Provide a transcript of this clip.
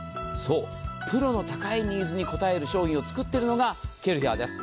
プロの高いニーズに応える商品を作っているのがケルヒャーです。